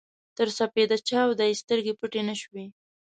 تر سپېده چاوده يې سترګې پټې نه شوې.